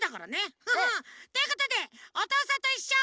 ハハッ！ということで「おとうさんといっしょ」。